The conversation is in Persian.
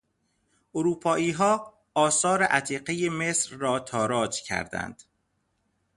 اروپاییها آثار عتیقهی مصر را تاراج کردند.